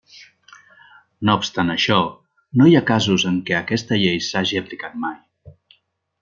No obstant això, no hi ha casos en què aquesta llei s'hagi aplicat mai.